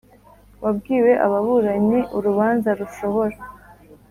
Wabwiwe ababuranyi urubanza rushobora